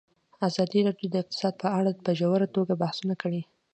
ازادي راډیو د اقتصاد په اړه په ژوره توګه بحثونه کړي.